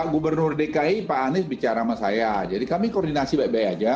gubernur dki pak anies bicara sama saya jadi kami koordinasi baik baik aja